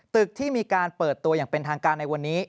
ที่มีการเปิดตัวอย่างเป็นทางการในวันนี้